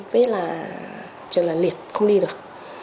với là chờ là liệt không đi được